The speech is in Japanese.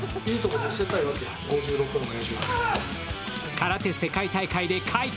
空手世界大会で快挙。